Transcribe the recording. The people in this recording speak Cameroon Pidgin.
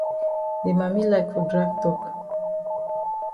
De man like for drag tok.